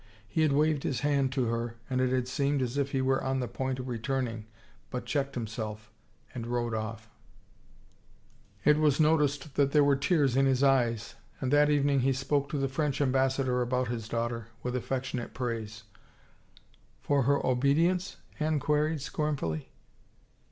He had waved his hand to her and it had seemed as if he were on the point of return ing, but checked himself, and rode off. It was noticed 285 it tt €t THE FAVOR OF KINGS that there were tears in his eyes and that evening he spoke to the French Ambassador about his daughter, with affectionate praise. For her obedience?" Anne queried scornfully.